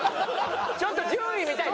ちょっと順位見たい。